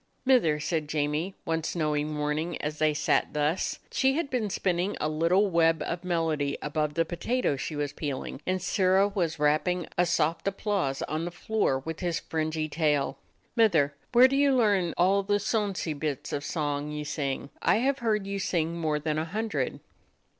"Mither," said Jamie one snowy morning, as they sat thus — she had just been spinning a little web of melody above the potatoes she was peeling, and Sirrah was rapping a soft applause on the floor with his fringy tail — "Mither, where do you learn all the sonsie bits of song you sing? I have heard you sing more than a hundred."